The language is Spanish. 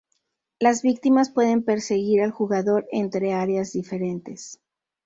Las víctimas pueden perseguir al jugador entre áreas diferentes.